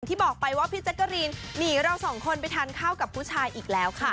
บอกไปว่าพี่แจ๊กกะรีนหนีเราสองคนไปทานข้าวกับผู้ชายอีกแล้วค่ะ